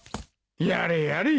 やれやれ